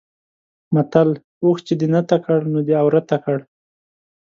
متل: اوښ چې دې نته کړ؛ نو دی عورته کړ.